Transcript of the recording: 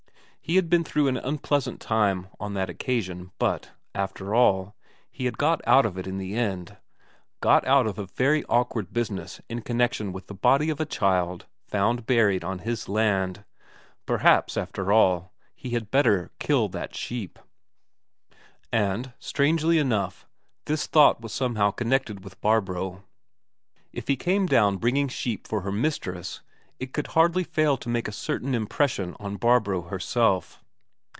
He had been through an unpleasant time on that occasion, but, after all, he had got out of it in the end got out of a very awkward business in connection with the body of a child found buried on his land. Perhaps, after all, he had better kill that sheep. And, strangely enough, this thought was somehow connected with Barbro. If he came down bringing sheep for her mistress it could hardly fail to make a certain impression on Barbro herself.